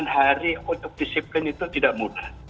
sembilan hari untuk disiplin itu tidak mudah